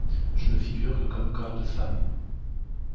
Je me figure que comme corps de femme…